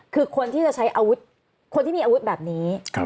คือคนที่จะใช้อาวุธคนที่มีอาวุธแบบนี้